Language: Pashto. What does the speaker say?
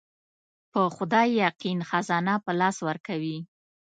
په خدای يقين خزانه په لاس ورکوي.